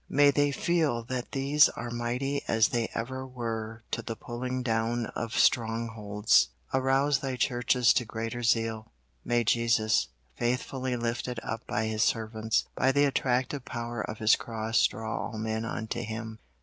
May they feel that these are mighty as they ever were to the pulling down of strongholds. Arouse Thy churches to greater zeal. May Jesus, faithfully lifted up by His servants, by the attractive power of His cross draw all men unto Him.